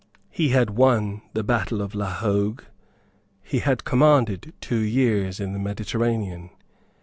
He had won the battle of La Hogue. He had commanded two years in the Mediterranean.